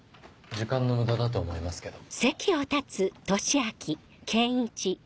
時間の無駄だと思いますけど。